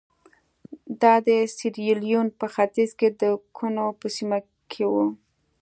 دا د سیریلیون په ختیځ کې د کونو په سیمه کې وو.